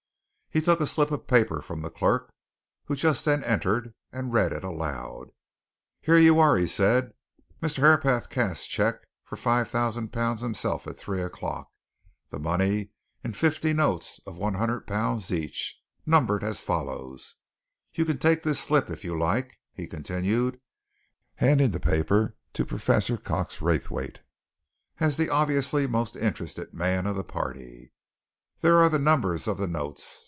He took a slip of paper from the clerk who just then entered, and read it aloud. "Here you are," he said. "'Mr. Herapath cashed cheque for £5,000 himself, at three o'clock; the money in fifty notes of £100 each, numbered as follows' you can take this slip, if you like," he continued, handing the paper to Professor Cox Raythwaite, as the obviously most interested man of his party. "There are the numbers of the notes.